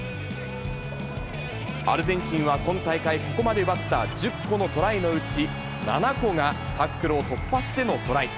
アルゼンチンは今大会、ここまで奪った１０個のトライのうち７個が、タックルを突破してのトライ。